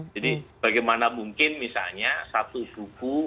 jadi bagaimana mungkin misalnya satu ibu ibu